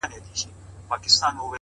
پرمختګ له کوچنیو ګامونو جوړېږي؛